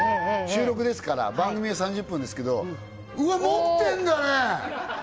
収録ですから番組は３０分ですけどうわもってんだね！